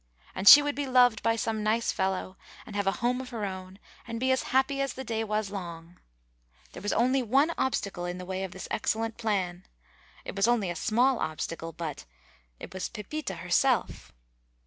And she would be loved by some nice fellow, and have a home of her own, and be as happy as the day was long. There was only one obstacle in the way of this excellent plan; it was only a small obstacle, but it was Pepita herself!